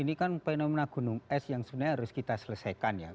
ini kan fenomena gunung es yang sebenarnya harus kita selesaikan ya